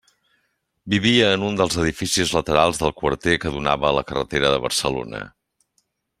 Vivia en un dels edificis laterals del quarter que donava a la carretera de Barcelona.